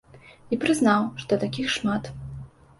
І прызнаў, што такіх шмат.